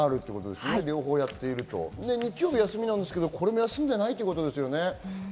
日曜日は休みなんですがこれも休みではないということですよね。